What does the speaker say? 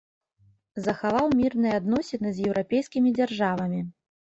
Захаваў мірныя адносіны з еўрапейскімі дзяржавамі.